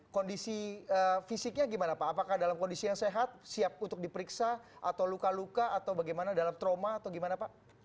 kondisi fisiknya gimana pak apakah dalam kondisi yang sehat siap untuk diperiksa atau luka luka atau bagaimana dalam trauma atau gimana pak